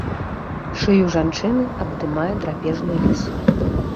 Шыю жанчыны абдымае драпежны ліс.